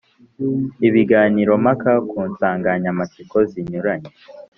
ibiganiro mpaka ku nsanganyamatsiko zinyuranye